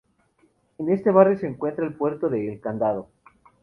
En este barrio se encuentra el puerto de El Candado.